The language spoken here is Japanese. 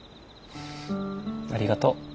ありがとう。